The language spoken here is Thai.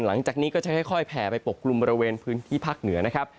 หลังจากนี้ก็จะค่อยแผ่ไปปกกลุ่มบริเวณพื้นที่ภาคเหนือนะครับ